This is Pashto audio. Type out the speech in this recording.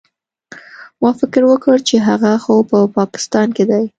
ما فکر وکړ چې هغه خو په پاکستان کښې دى.